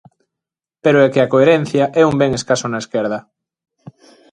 Pero é que a coherencia é un ben escaso na esquerda.